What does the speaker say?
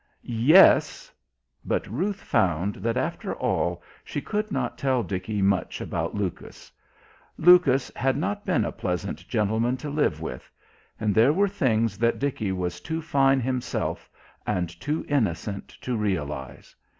"Yes " But Ruth found that, after all, she could not tell Dickie much about Lucas. Lucas had not been a pleasant gentleman to live with and there were things that Dickie was too fine himself, and too innocent, to realise.